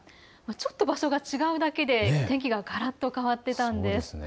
ちょっと場所が違うだけで天気ががらっと変わっていたんです。